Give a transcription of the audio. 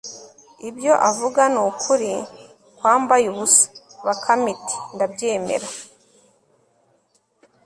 ibyo avuga ni ukuri kwambaye ubusa! bakame iti ndabyemera